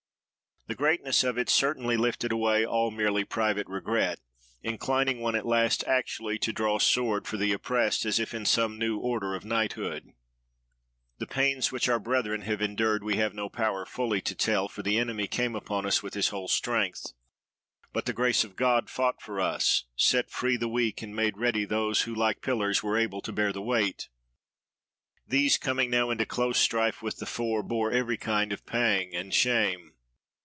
The greatness of it certainly lifted away all merely private regret, inclining one, at last, actually to draw sword for the oppressed, as if in some new order of knighthood— "The pains which our brethren have endured we have no power fully to tell, for the enemy came upon us with his whole strength. But the grace of God fought for us, set free the weak, and made ready those who, like pillars, were able to bear the weight. These, coming now into close strife with the foe, bore every kind of pang and shame.